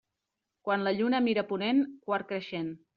Quan la lluna mira a ponent, quart creixent.